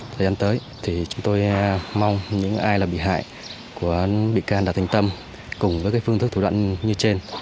thời gian tới thì chúng tôi mong những ai là bị hại của bị can đào thanh tâm cùng với phương thức thủ đoạn như trên